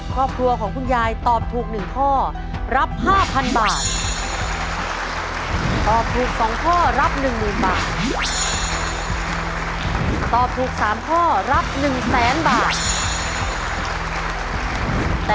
ครอบครัวของคุณยายตอบถูก๑ข้อรับ๕๐๐๐บาท